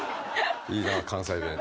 いいな関西弁。